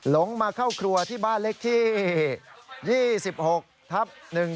ลงมาเข้าครัวที่บ้านเล็กที่๒๖ทับ๑๒